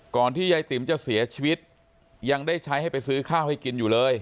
ที่ยายติ๋มจะเสียชีวิตยังได้ใช้ให้ไปซื้อข้าวให้กินอยู่เลย